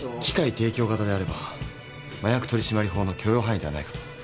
機会提供型であれば麻薬取締法の許容範囲ではないかと。